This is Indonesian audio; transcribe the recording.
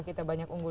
kita banyak unggul